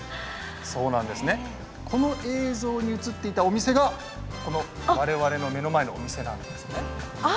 この映像に映っていたお店がこの我々の目の前のお店なんです。